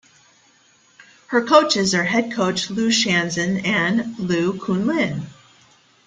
Her coaches are head coach Lu Shanzhen, and Liu Qun Lin.